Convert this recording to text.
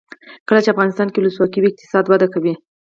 کله چې افغانستان کې ولسواکي وي اقتصاد وده کوي.